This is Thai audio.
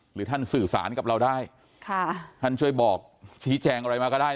หรือท่านสื่อสารกับเราได้ค่ะท่านช่วยบอกชี้แจงอะไรมาก็ได้